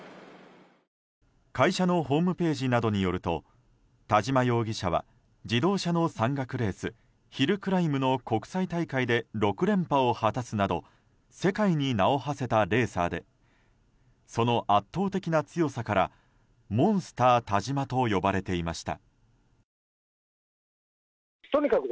会社のホームページなどによると田嶋容疑者は自動車の山岳レースヒルクライムの国際大会で６連覇を果たすなど世界に名を馳せたレーサーでその圧倒的な強さからモンスター田嶋と呼ばれていました。